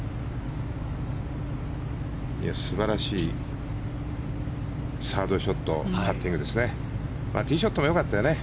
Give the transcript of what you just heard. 素晴らしいサードショットパッティングですね。